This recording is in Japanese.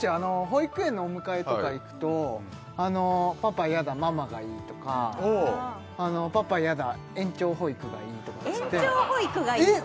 保育園のお迎えとか行くと「パパやだママがいい」とか「パパやだ延長保育がいい」とか言ってえっ